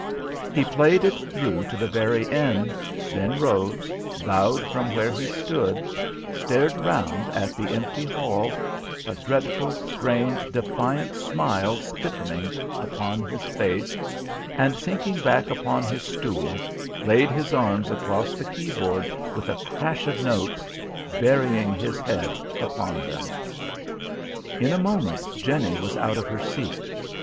He played it through to the very end, then rose, bowed from where he stood, stared round at the empty hall a dreadful, strained, defiant smile stiffening upon his face and sinking back upon his stool, laid his arms across the keyboard with a crash of notes, burying his head upon them. In a moment Jenny was out of her seat.